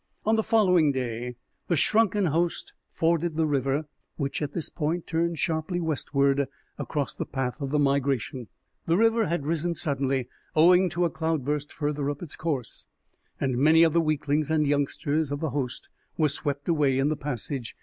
On the following day the shrunken host forded the river, which at this point turned sharply westward across the path of the migration. The river had risen suddenly owing to a cloudburst further up its course, and many of the weaklings and youngsters of the host were swept away in the passage.